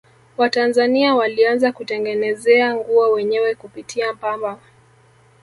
watanzania walianza kutengenezea nguo wenyewe kupitia pamba